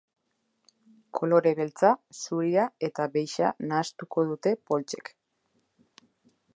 Kolore beltza, zuria eta beixa nahastuko dute poltsek.